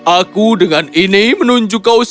aku dengan ini menunjukkan kepadamu